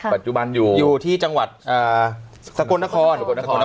ปัจจุบันอยู่อยู่ที่จังหวัดสกนคร